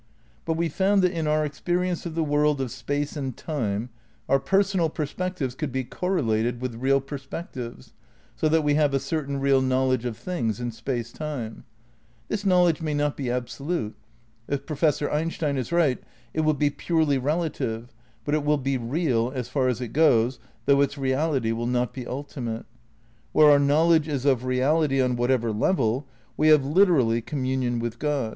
But we found that in our experience of the world of Space and Time our personal perspectives could be correlated with real perspectives, so that we have a certain real knowledge of things in Space Time; This knowledge may not be absolute ; if Professor Einstein is right it will be purely relative, but it will be real as far as it goes, though its reality will not be ultimate. Where our knowledge is of reality on whatever level, we have literally communion with God.